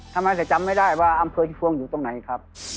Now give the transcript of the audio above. ทำไมแต่จำไม่ได้ว่าอำเภอฮิพวงอยู่ตรงไหนครับ